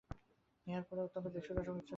ইহার পরে অত্যন্ত বেসুরা সংগীতচর্চাও আর চলে না।